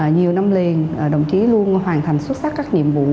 nhiều năm liền đồng chí luôn hoàn thành xuất sắc các nhiệm vụ